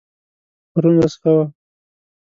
پرون ورځ ښه وه